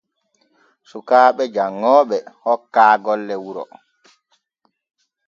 Sukaaɓe janŋooɓe hokkaa golle wuro.